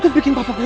adi jangan pergi